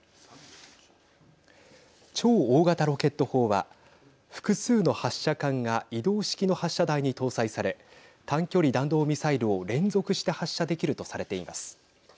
超大型ロケット砲は複数の発射管が移動式の発射台に搭載され短距離弾道ミサイルを連続して発射できるとされています。